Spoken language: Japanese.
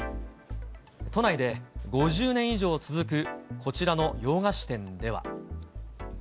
都内で５０年以上続くこちらの洋菓子店では。